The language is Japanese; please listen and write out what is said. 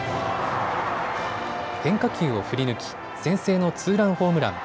変化球を振り抜き、先制のツーランホームラン。